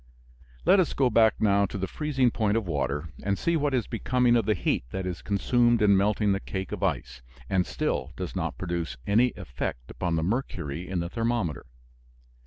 Let us go back now to the freezing point of water and see what is becoming of the heat that is consumed in melting the cake of ice, and still does not produce any effect upon the mercury in the thermometer.